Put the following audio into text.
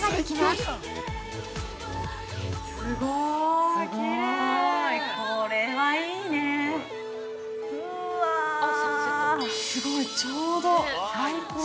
◆すごいちょうど、最高！